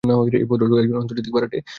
এই ভদ্রলোক একজন আন্তর্জাতিক ভাড়াটে সৈনিক।